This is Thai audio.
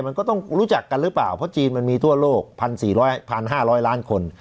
มันก็ต้องรู้จักกันหรือเปล่าเพราะจีนมันมีทั่วโลกพันสี่ร้อยพันห้าร้อยล้านคน